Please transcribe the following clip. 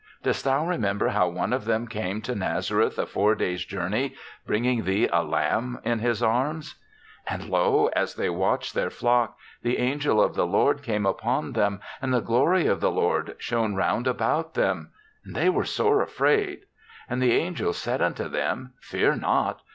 Dost thou remember how one of them came to Nazareth, a four days' jour ney, bringing thee a lamb in his arms ? And lo, as they watched their flock, the angel of the Lord came upon them, and the glory of the Lord shone round about them : and they were sore afraid. And the angel said unto them, ' Fear not.